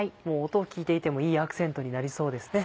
音を聞いていてもいいアクセントになりそうですね。